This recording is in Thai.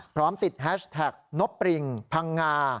พร้อมติดแฮชแท็กนบปริงพังงา